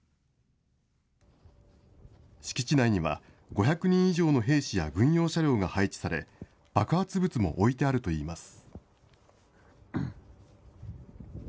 敷地内には、５００人以上の兵士や軍用車両が配置され、爆発物も置いてあるといいます。